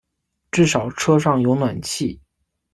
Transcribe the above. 至少车上有暖气